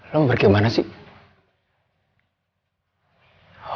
lo mau pergi kemana sih